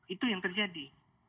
itu yang terjadi